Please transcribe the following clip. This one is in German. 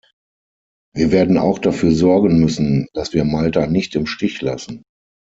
Wir werden auch dafür sorgen müssen, dass wir Malta nicht im Stich lassen.